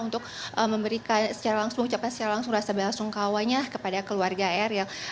untuk memberikan secara langsung ucapan secara langsung rasa belasungkawanya kepada keluarga eril